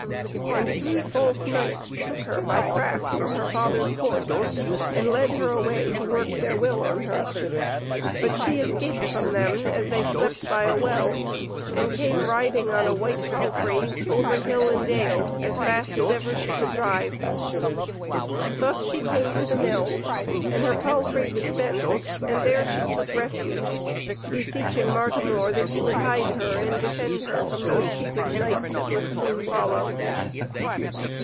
And three false knights took her by craft from her father's court and led her away to work their will on her. But she escaped from them as they slept by a well, and came riding on a white palfrey, over hill and dale, as fast as ever she could drive. Thus she came to the Mill, and her palfrey was spent, and there she took refuge, beseeching Martimor that he would hide her, and defend her from those caitiff knights that must soon follow.